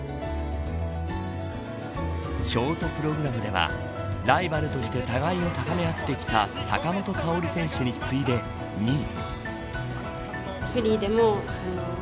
ショートプログラムではライバルとして互いに高め合ってきた坂本花織選手に次いで２位。